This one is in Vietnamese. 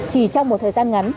chỉ trong một thời gian ngắn